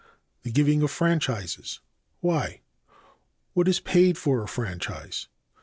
a. The giving of franchises, why? b. What is paid for a franchise?